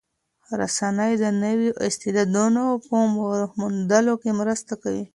رسنۍ د نویو استعدادونو په موندلو کې مرسته کوي.